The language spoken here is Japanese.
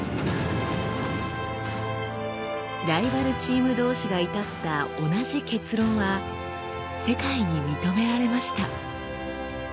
ライバルチーム同士が至った同じ結論は世界に認められました。